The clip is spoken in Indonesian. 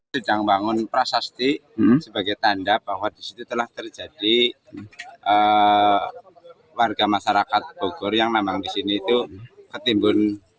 sedang bangun prasasti sebagai tanda bahwa disitu telah terjadi warga masyarakat bogor yang memang di sini itu ketimbun